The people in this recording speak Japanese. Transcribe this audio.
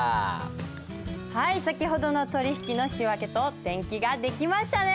先ほどの取引の仕訳と転記ができましたね。